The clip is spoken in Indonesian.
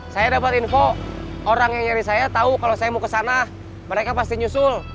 saya dapat info orang yang nyari saya tahu kalau saya mau ke sana mereka pasti nyusul